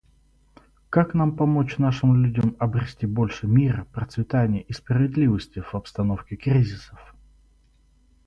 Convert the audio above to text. Как нам помочь нашим людям обрести больше мира, процветания и справедливости в обстановке кризисов?